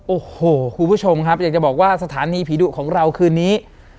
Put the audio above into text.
โอ้โหคุณผู้ชมครับอยากจะบอกว่าสถานีผีดุของเราคืนนี้